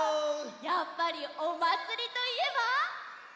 やっぱりおまつりといえば。